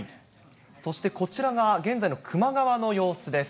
そしてこちらが現在の球磨川の様子です。